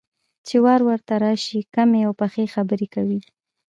چې وار ورته راشي، کمې او پخې خبرې کوي.